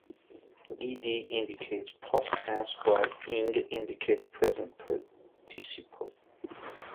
"-ed" indicates past tense, while "-ing" indicates present participle.